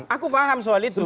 aku paham soal itu